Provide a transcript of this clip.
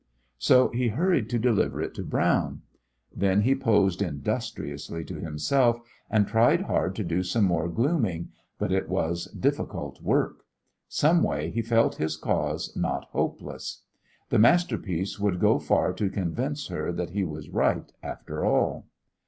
So he hurried to deliver it to Brown. Then he posed industriously to himself, and tried hard to do some more glooming, but it was difficult work. Someway he felt his cause not hopeless. This masterpiece would go far to convince her that he was right after all.